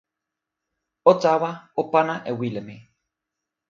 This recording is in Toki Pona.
o tawa, o pana e wile mi.